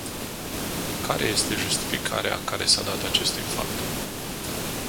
Care este justificarea care s-a dat acestui fapt?